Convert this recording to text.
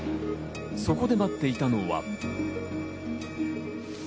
そこで待っていたのは。